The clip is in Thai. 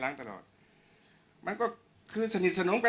ช่างแอร์เนี้ยคือล้างหกเดือนครั้งยังไม่แอร์